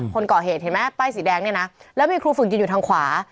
คนก่อเหตุเห็นไหมป้ายสีแดงเนี่ยนะแล้วมีครูฝึกยืนอยู่ทางขวา